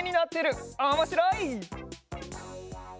おもしろい！